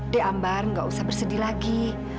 d'ambar gak usah bersedih lagi